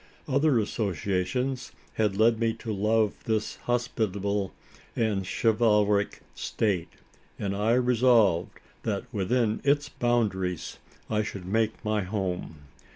Other associations had led me to love this hospitable and chivalric state; and I resolved, that, within its boundaries, I should make my home.